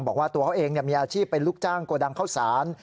บอกว่าตัวเขาเองมีอาชีพเป็นลูกจ้างโกดังเข้าสาร